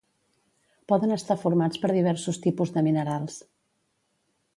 Poden estar formats per diversos tipus de minerals.